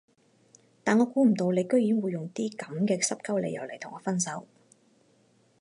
但我估唔到你居然會用啲噉嘅濕鳩理由嚟同我分手